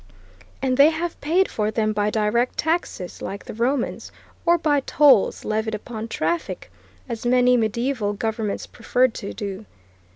And they have paid for them by direct taxes, like the Romans, or by tolls levied upon traffic, as many mediaeval governments preferred to do.